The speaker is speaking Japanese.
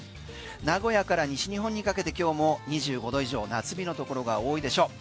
名古屋から西日本にかけて今日も２５度以上夏日のところが多いでしょう